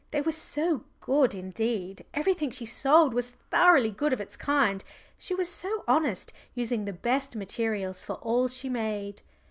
They were so good; indeed, everything she sold was thoroughly good of its kind. She was so honest, using the best materials for all she made.